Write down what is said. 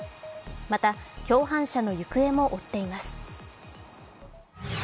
また共犯者の行方も追っています。